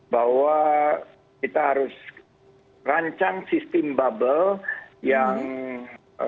bahwa kita harus rancang sistem bubble yang